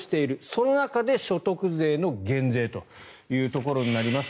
その中で所得税の減税というところになります。